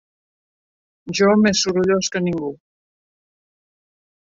Jo més sorollós que ningú.